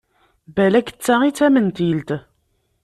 Balak d ta i tamentilt.